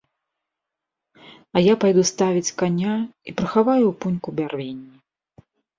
А я пайду ставіць каня і прыхаваю ў пуньку бярвенні.